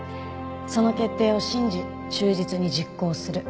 その決定を信じ忠実に実行する。